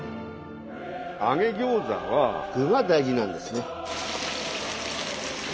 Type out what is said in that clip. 揚げ餃子は具が大事なんですね。